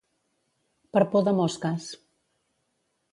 Per por de mosques.